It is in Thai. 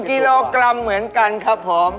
กิโลกรัมเหมือนกันครับผม